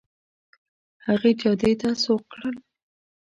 هغې جادې ته سوق کړل.